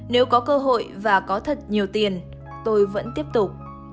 nếu có cơ hội và có thật nhiều tiền tôi vẫn tiếp tục